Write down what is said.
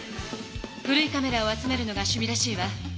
古いカメラを集めるのがしゅ味らしいわ。